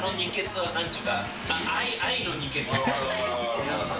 はい。